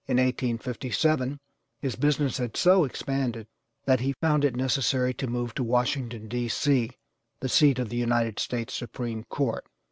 In 1857 his business had so expanded that he found it necessary to move to Washington, D. C., the seat of the United States Supreme Court.